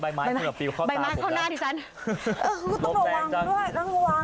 ใบไม้ใบไม้ก็จะปลิวเข้าตาผมกัน